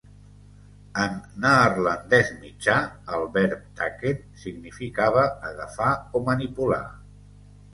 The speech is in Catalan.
En neerlandès mitjà, el verb "tacken" significava agafar o manipular.